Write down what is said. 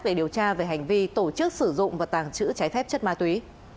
để điều tra về hành vi tổ chức sử dụng và tàng trữ trái phép chất ma túy